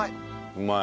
うまい。